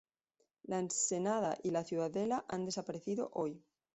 La ensenada y la ciudadela han desaparecido hoy.